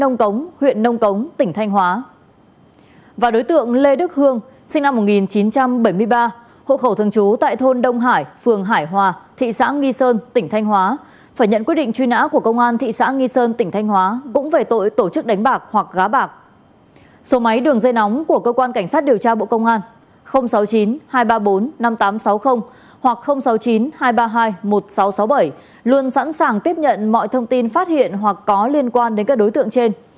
máy đường dây nóng của cơ quan cảnh sát điều tra bộ công an sáu mươi chín hai trăm ba mươi bốn năm nghìn tám trăm sáu mươi hoặc sáu mươi chín hai trăm ba mươi hai một nghìn sáu trăm sáu mươi bảy luôn sẵn sàng tiếp nhận mọi thông tin phát hiện hoặc có liên quan đến các đối tượng trên